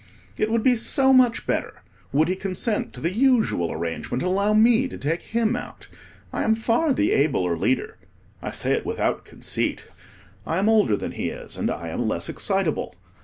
It would be so much better, would he consent to the usual arrangement, and allow me to take him out. I am far the abler leader: I say it without conceit. I am older than he is, and I am less excitable.